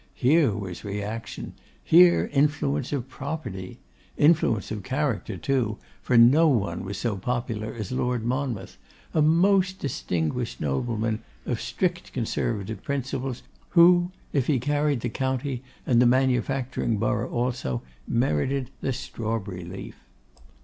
Here was reaction; here influence of property! Influence of character, too; for no one was so popular as Lord Monmouth; a most distinguished nobleman of strict Conservative principles, who, if he carried the county and the manufacturing borough also, merited the strawberry leaf.